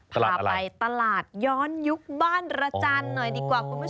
พาไปตลาดย้อนยุคบ้านระจันทร์หน่อยดีกว่าคุณผู้ชม